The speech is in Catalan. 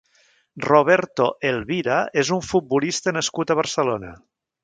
Roberto Elvira és un futbolista nascut a Barcelona.